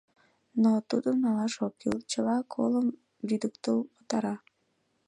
Но тудым налаш ок кӱл — чыла колым лӱдыктыл пытара...